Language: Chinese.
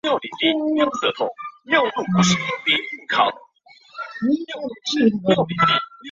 张瓘是太原监军使张承业的侄子。